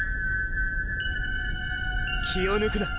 気を抜くな。